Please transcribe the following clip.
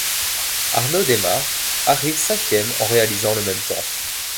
Arnaud Démare arrive cinquième en réalisant le même temps.